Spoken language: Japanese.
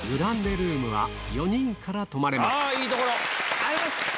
ありがとうございます！